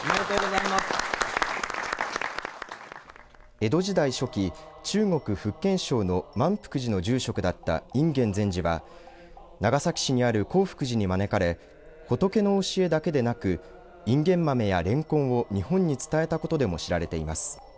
江戸時代初期、中国福建省の萬福寺の住職だった隠元禅師は長崎市にある興福寺に招かれ仏の教えだけでなくインゲン豆やレンコンを日本に伝えたことでも知られています。